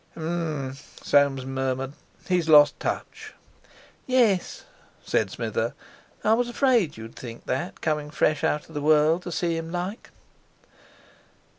"H'm!" Soames murmured: "He's lost touch." "Yes," said Smither, "I was afraid you'd think that coming fresh out of the world to see him like."